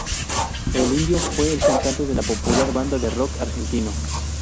El "Indio" fue el cantante de la popular banda de rock argentino.